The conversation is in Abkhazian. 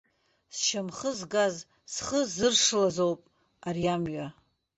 Сшьамхы згаз, схы зыршлазоуп ари амҩа.